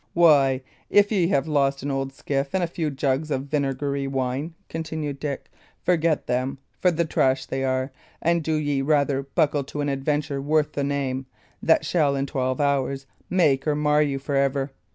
"Why, if ye have lost an old skiff and a few jugs of vinegary wine," continued Dick, "forget them, for the trash they are; and do ye rather buckle to an adventure worth the name, that shall, in twelve hours, make or mar you for ever.